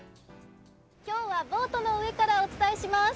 今日はボートの上からお伝えします。